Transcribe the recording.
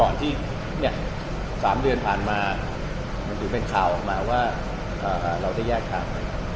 ที่๓เดือนผ่านมามันถือเป็นข่าวออกมาว่าเราได้แยกทางไป